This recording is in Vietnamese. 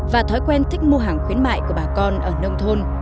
và thói quen thích mua hàng khuyến mại của bà con ở nông thôn